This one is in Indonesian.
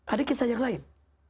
ada kisah yang lain